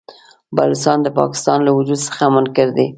بلوڅان د پاکستان له وجود څخه منکر دي.